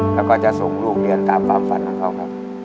แล้วก็จะส่งลูกเรียนตามความฝันของเขาครับ